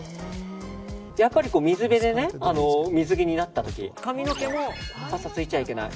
やっぱり水辺で水着になった時髪の毛もパサついちゃいけない。